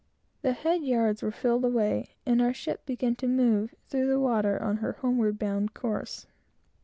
The head yards were filled away, and our ship began to move through the water on her homeward bound course.